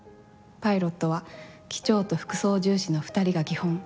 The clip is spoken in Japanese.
パイロットは機長と副操縦士の２人が基本。